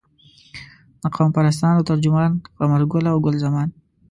د قوم پرستانو ترجمان قمرګله او ګل زمان.